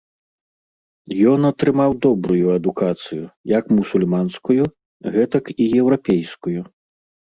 Ён атрымаў добрую адукацыю, як мусульманскую, гэтак і еўрапейскую.